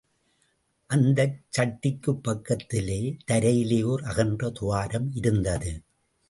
அந்தச் சட்டிக்குப் பக்கத்திலே தரையிலே ஓர் அகன்ற துவாரம் இருந்தது.